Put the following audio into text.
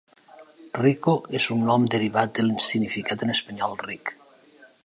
Rico és un nom derivat del significat en espanyol "ric".